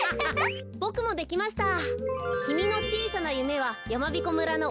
ボクもできました。